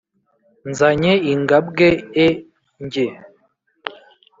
nzanye ingabwe e njye,